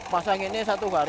pasang ini satu hari